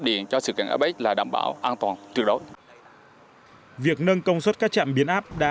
điện cho sự kiện apec là đảm bảo an toàn trước đó việc nâng công suất các trạm biến áp đã